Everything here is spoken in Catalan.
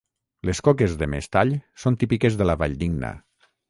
Les coques de mestall són típiques de la Valldigna.